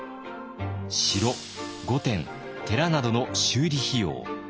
城・御殿・寺などの修理費用。